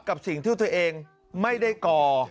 กับสิ่งที่ตัวเองไม่ได้ก่อ